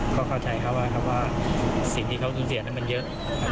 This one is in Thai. ก็เข้าใจเขาว่าสิ่งที่เขาสูญเสียนั้นมันเยอะ